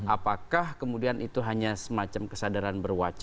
apakah kemudian itu hanya semacam kesadaran berwacana